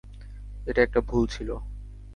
এটা একটা ভুল ছিল।